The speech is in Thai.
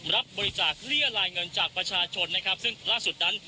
รับบริจาคเรียรายเงินจากประชาชนนะครับซึ่งล่าสุดนั้น